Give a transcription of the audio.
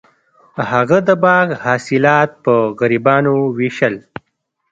هغه د باغ حاصلات په غریبانو ویشل.